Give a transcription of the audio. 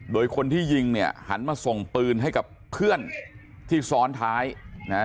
โดยคนที่ยิงเนี่ยหันมาส่งปืนให้กับเพื่อนที่ซ้อนท้ายนะ